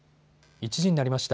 １時になりました。